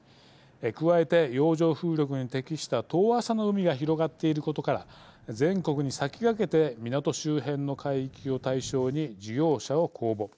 加えて、洋上風力に適した遠浅の海が広がっていることから全国に先駆けて港周辺の海域を対象に事業者を公募。